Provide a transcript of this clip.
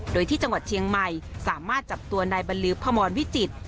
โดยที่จังหวัดเชียงใหม่สามารถจับตัวนายบรรลือพมรวิจิตร